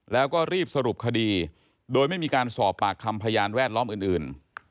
แล้วก็รีบสรุปคดีโดยไม่มีการสอบปากคำพยานแวดล้อมอื่น